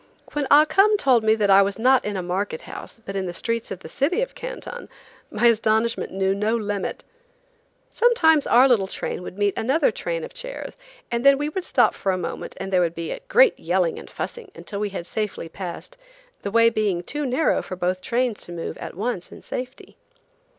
When Ah Cum told me that I was not in a market house, but in the streets of the city of Canton, my astonishment knew no limit. Sometimes our little train would meet another train of chairs, and then we would stop for a moment and there would be great yelling and fussing until we had safely passed, the way being too narrow for both trains to move at once in safety.